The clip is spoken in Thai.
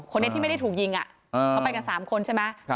คนนี้ที่ไม่ได้ถูกยิงเขาไปกัน๓คนใช่ไหม